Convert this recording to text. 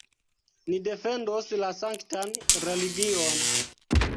Ni defendos la sanktan religion!